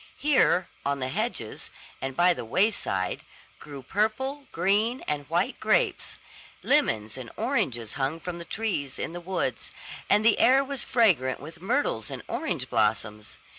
Here, on the hedges, and by the wayside, grew purple, green, and white grapes; lemons and oranges hung from trees in the woods; and the air was fragrant with myrtles and orange blossoms.